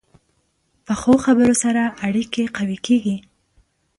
پخو خبرو سره اړیکې قوي کېږي